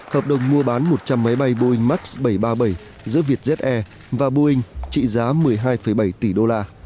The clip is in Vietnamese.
hợp đồng mua bán một trăm linh máy bay boeing max bảy trăm ba mươi bảy giữa vietjet air và boeing trị giá một mươi hai bảy tỷ đô la